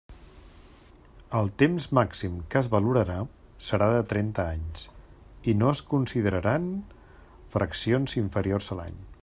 El temps màxim que es valorarà serà de trenta anys i no es consideraran fraccions inferiors a l'any.